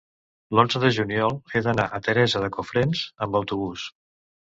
L'onze de juliol he d'anar a Teresa de Cofrents amb autobús.